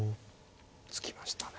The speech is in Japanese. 突きましたね。